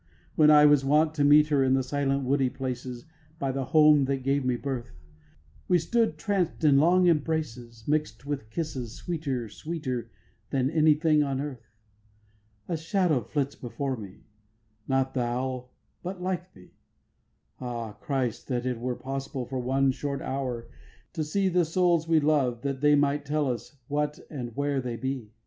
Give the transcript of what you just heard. When I was wont to meet her In the silent woody places By the home that gave me birth, We stood tranced in long embraces Mixt with kisses sweeter sweeter Than any thing on earth. 3. A shadow flits before me, Not thou, but like to thee; Ah Christ, that it were possible For one short hour to see The souls we loved, that they might tell us What and where they be.